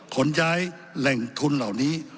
ขนย้ายแหล่งทุนเหล่านี้